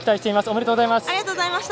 おめでとうございます。